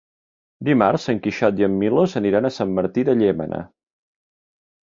Dimarts en Quixot i en Milos aniran a Sant Martí de Llémena.